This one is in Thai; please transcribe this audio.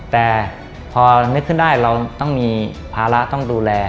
แต่พอนึกขึ้นได้เราต้องมีภาระต้องดูแล